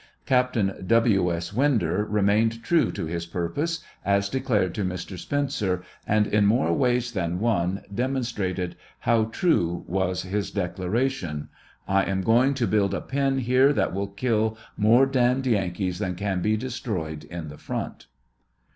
Captain W. S. Winder remained true to his purpose, as declared to Mr. Spencer, and in more ways than one demonstrated how true was his declara tion: I am going to build a pen here that will kill more damned Yaakees than can be destroyed in the front.